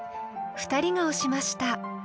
２人が推しました。